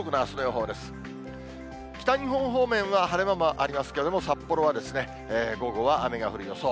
北日本方面は、晴れ間もありますけれども、札幌は午後は雨が降る予想。